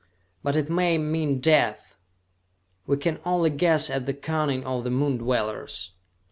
"But it may mean death! We can only guess at the cunning of the Moon dwellers!